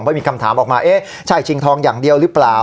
เพราะมีคำถามออกมาเอ๊ะใช่ชิงทองอย่างเดียวหรือเปล่า